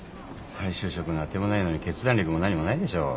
再就職の当てもないのに決断力も何もないでしょう。